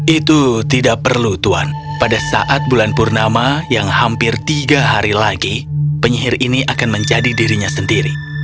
itu tidak perlu tuhan pada saat bulan purnama yang hampir tiga hari lagi penyihir ini akan menjadi dirinya sendiri